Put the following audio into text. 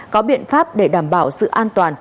có biện pháp để đảm bảo sự an toàn